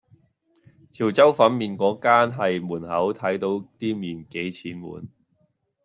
潮州粉麵果間係門口睇到啲麵幾錢碗